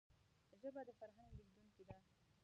ژبه د فرهنګ لېږدونکی ده